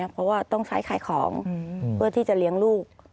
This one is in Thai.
เพราะว่าต้องใช้ขายของเพื่อที่จะเลี้ยงลูก